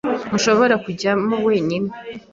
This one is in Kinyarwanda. Ntushobora kujyamo wenyine